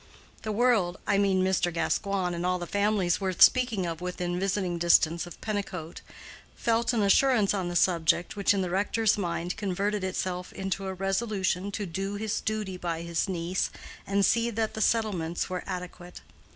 The world—I mean Mr. Gascoigne and all the families worth speaking of within visiting distance of Pennicote—felt an assurance on the subject which in the rector's mind converted itself into a resolution to do his duty by his niece and see that the settlements were adequate.